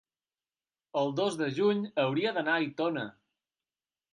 el dos de juny hauria d'anar a Aitona.